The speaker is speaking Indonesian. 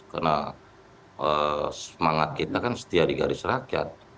karena semangat kita kan setia di garis rakyat